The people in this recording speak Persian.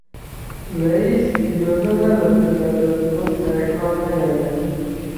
رئیس اجازه نداد که بعد از ظهر سرکار نیاید.